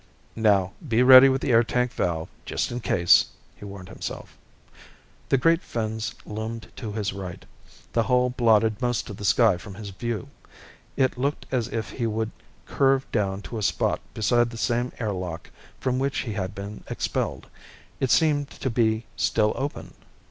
Now, be ready with the air tank valve, just in case! he warned himself. The great fins loomed to his right; the hull blotted most of the sky from his view. It looked as if he would curve down to a spot beside the same air lock from which he had been expelled. It seemed to be still open.